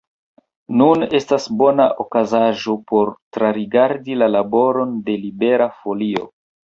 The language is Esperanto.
Nun estas bona okazaĵo por trarigardi la laboron de Libera Folio.